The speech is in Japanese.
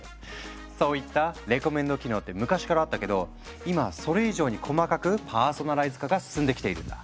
そういったレコメンド機能って昔からあったけど今はそれ以上に細かくパーソナライズ化が進んできているんだ。